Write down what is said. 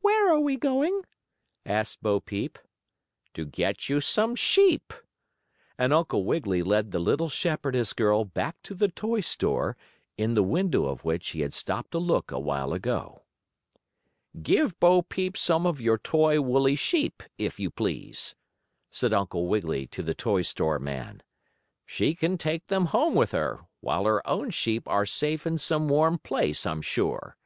"Where are you going?" asked Bo Peep. "To get you some sheep." And Uncle Wiggily led the little shepardess girl back to the toy store, in the window of which he had stopped to look a while ago. "Give Bo Peep some of your toy woolly sheep, if you please," said Uncle Wiggily to the toy store man. "She can take them home with her, while her own sheep are safe in some warm place, I'm sure.